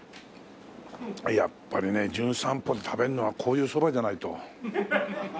やっぱりね『じゅん散歩』で食べるのはこういうそばじゃないと。